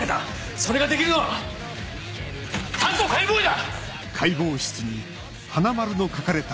それができるのは担当解剖医だ！